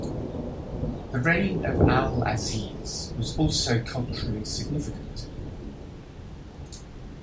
The reign of Al-Aziz was also culturally significant.